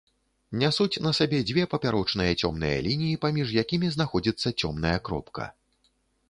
Нясуць на сабе дзве папярочныя цёмныя лініі, паміж якімі знаходзіцца цёмная кропка.